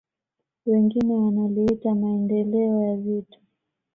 Wengine wanaliita maendeleo ya vitu